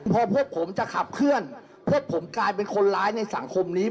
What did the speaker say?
พอพวกผมจะขับเคลื่อนพวกผมกลายเป็นคนร้ายในสังคมนี้